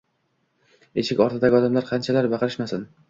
Eshik ortidagi odamlar qanchalar baqirishmasin